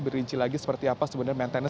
dirinci lagi seperti apa sebenarnya maintenance